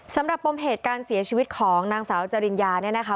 ปมเหตุการเสียชีวิตของนางสาวจริญญาเนี่ยนะคะ